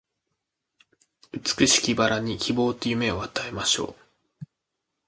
美しき薔薇に希望と夢を与えましょう